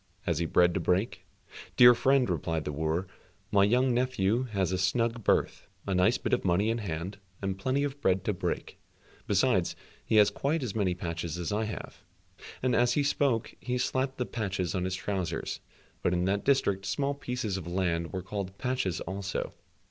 Has he bread to break?" "Dear friend," replied the wooer, "my young nephew has a snug berth, a nice bit of money in hand, and plenty of bread to break, besides he has quite as many patches as I have," (and as he spoke, he slapped the patches on his trousers, but in that district small pieces of land were called patches also.)